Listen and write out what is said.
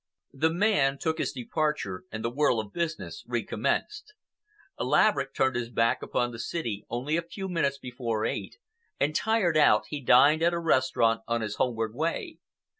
The man took his departure and the whirl of business recommenced. Laverick turned his back upon the city only a few minutes before eight and, tired out, he dined at a restaurant on his homeward way.